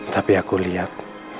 tapi aku lihat